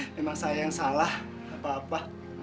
iya memang saya yang salah gak apa apa